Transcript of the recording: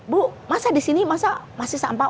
bu masa disini masa masih sampah